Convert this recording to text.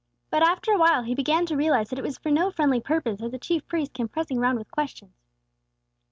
But after a while he began to realize that it was for no friendly purpose that the chief priests came pressing around with questions.